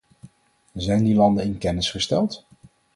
Zijn die landen in kennis gesteld?